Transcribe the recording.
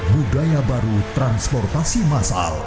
budaya baru transportasi masal